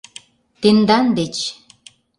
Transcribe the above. — Тендан деч.